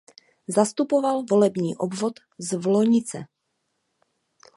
Zastupoval volební obvod Zlonice.